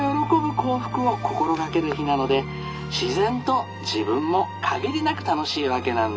幸福を心がける日なので自然と自分も限りなく楽しいわけなんです。